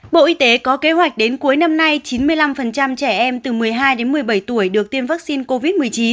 bộ y tế có kế hoạch đến cuối năm nay chín mươi năm trẻ em từ một mươi hai đến một mươi bảy tuổi được tiêm vaccine covid một mươi chín